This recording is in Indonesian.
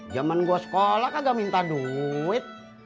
zaman gue sekolah kagak minta duit